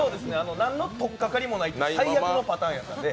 何のとっかかりもないっていう最悪のパターンやった。